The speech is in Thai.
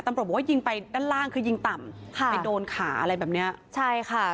ตำรวจบอกว่ายิงไปด้านล่างคือยิงต่ำค่ะไปโดนขาอะไรแบบเนี้ยใช่ค่ะ